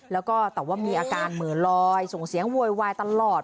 แล้วก็แต่ว่ามีอาการเหมือนลอยส่งเสียงโวยวายตลอด